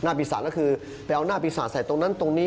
ปีศาจก็คือไปเอาหน้าปีศาจใส่ตรงนั้นตรงนี้